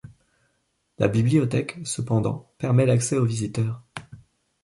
La bibliothèque, cependant, permet l'accès aux visiteurs.